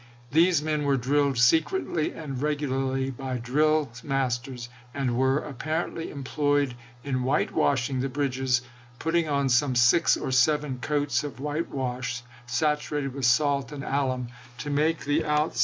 These men were drilled secretly and regularly by drill masters, and were apparently employed in whitewashing the bridges, putting on some six or seven coats of white wash, saturated with salt and alum, to make the outside Vol.